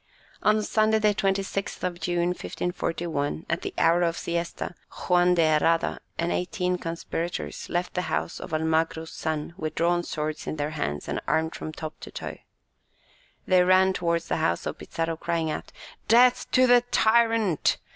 On Sunday, the 26th of June, 1541, at the hour of siesta, Juan de Herrada and eighteen conspirators left the house of Almagro's son with drawn swords in their hands and armed from top to toe. They ran towards the house of Pizarro, crying out, "Death to the tyrant!